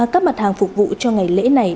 các mặt hàng phục vụ cho ngày lễ này